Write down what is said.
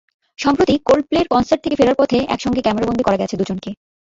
সম্প্রতি ক্লোল্ডপ্লের কনসার্ট থেকে ফেরার পথে একসঙ্গে ক্যামেরাবন্দী করা গেছে দুজনকে।